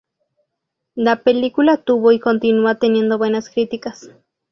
La película tuvo y continúa teniendo buenas críticas.